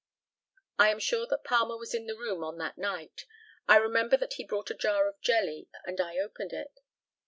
I am sure that Palmer was in the room on that night. I remember that he brought a jar of jelly, and I opened it.